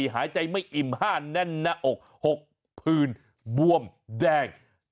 หายใจไม่อิ่ม๕แน่นหน้าอก๖ผื่นบวมแดง